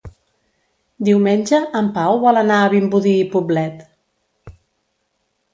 Diumenge en Pau vol anar a Vimbodí i Poblet.